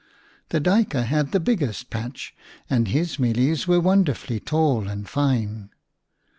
The Duyker had the biggest patch, and his mealies were wonderfully tall and fine.